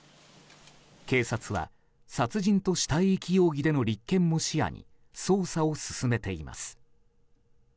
警察は殺人と死体遺棄容疑での立件も視野に捜査を進めています。